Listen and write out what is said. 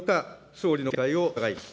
総理の見解を求めます。